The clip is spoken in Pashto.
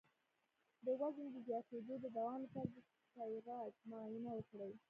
د وزن د زیاتیدو د دوام لپاره د تایرايډ معاینه وکړئ